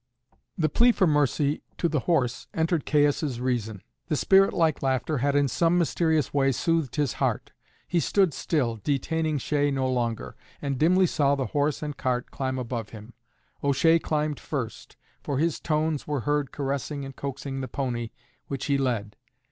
The plea for mercy to the horse entered Caius' reason. The spirit like laughter had in some mysterious way soothed his heart. He stood still, detaining O'Shea no longer, and dimly saw the horse and cart climb up above him. O'Shea climbed first, for his tones were heard caressing and coaxing the pony, which he led.